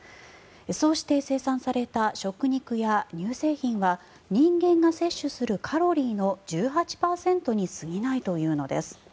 そうして生産された食肉や乳製品は人間が摂取するカロリーの１８％に過ぎないというのです。